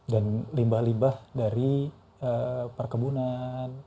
dan limbah limbah dari perkebunan